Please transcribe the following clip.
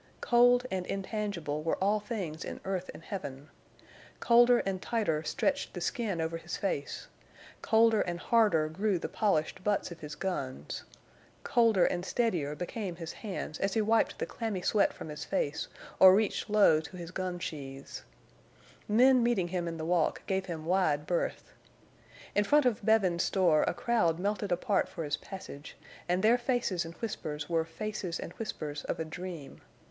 Cold and intangible were all things in earth and heaven. Colder and tighter stretched the skin over his face; colder and harder grew the polished butts of his guns; colder and steadier became his hands as he wiped the clammy sweat from his face or reached low to his gun sheaths. Men meeting him in the walk gave him wide berth. In front of Bevin's store a crowd melted apart for his passage, and their faces and whispers were faces and whispers of a dream.